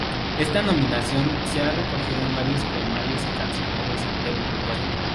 Esta nominación se ha recogido en varios poemarios y cancioneros del Uruguay.